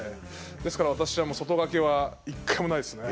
ですから私は外掛けは一回もないですね。